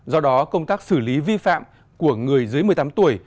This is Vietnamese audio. do đó công tác xử lý vi phạm của người dưới một mươi tám tuổi